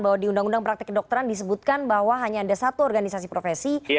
bahwa di undang undang praktek kedokteran disebutkan bahwa hanya ada satu organisasi profesi